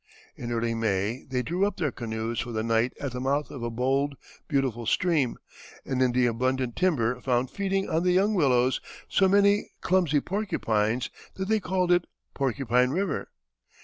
In early May they drew up their canoes for the night at the mouth of a bold, beautiful stream, and in the abundant timber found feeding on the young willows so many clumsy porcupines that they called it Porcupine River.